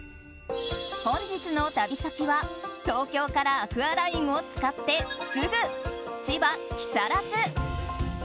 本日の旅先は、東京からアクアラインを使ってすぐ千葉・木更津。